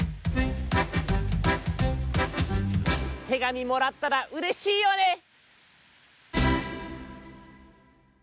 手紙もらったらうれしいよね！